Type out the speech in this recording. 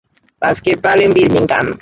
Basketball en Birmingham.